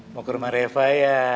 mau ke rumah reva ya